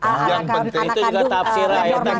jangan bentri itu juga tafsir rakyat